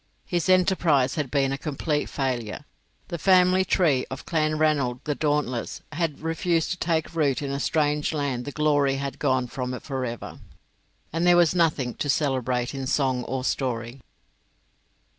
His enterprise had been a complete failure; the family tree of Clanranald the Dauntless had refused to take root in a strange land the glory had gone from it for ever, and there was nothing to celebrate in song or story.